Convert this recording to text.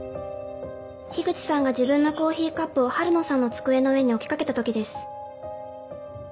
樋口さんが自分のコーヒーカップを晴野さんの机の上に置きかけた時です。